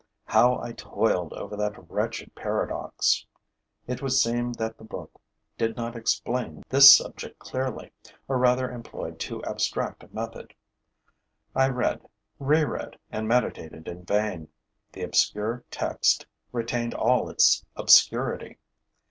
How I toiled over that wretched paradox! It would seem that the book did not explain this subject clearly, or rather employed too abstract a method. I read, reread and meditated in vain: the obscure text retained all its obscurity.